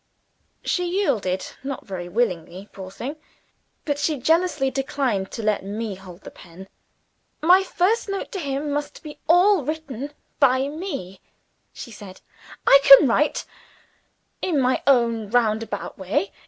She yielded not very willingly, poor thing. But she jealously declined to let me hold the pen. "My first note to him must be all written by me," she said. "I can write in my own roundabout way.